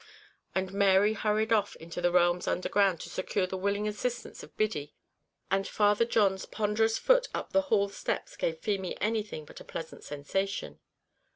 And Mary hurried off into the realms under ground to secure the willing assistance of Biddy, and Father John's ponderous foot up the hall steps gave Feemy anything but a pleasant sensation.